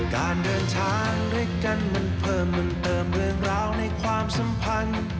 การเดินช้างด้วยกันมันเพิ่มมันเติมเรื่องราวในความสัมพันธ์